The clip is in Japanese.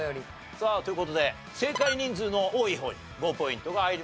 さあという事で正解人数の多い方に５ポイントが入ります。